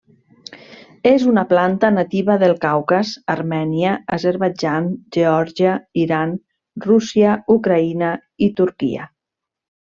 És una planta nativa del Caucas, Armènia, Azerbaidjan, Geòrgia, Iran, Rússia, Ucraïna i Turquia.